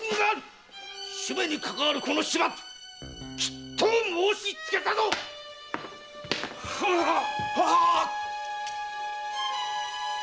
主馬にかかわるこの始末きっと申しつけたぞ‼ははっ！